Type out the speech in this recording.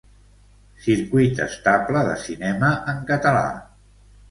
Circuit estable de Cinema en Català.